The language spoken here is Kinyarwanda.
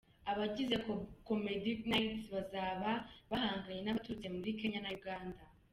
Abagize Comedy Knights bazaba bahanganye nabaturutse muri Kenya na Uganda.